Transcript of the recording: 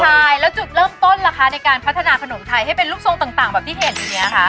ใช่แล้วจุดเริ่มต้นล่ะคะในการพัฒนาขนมไทยให้เป็นรูปทรงต่างแบบที่เห็นอยู่เนี่ยค่ะ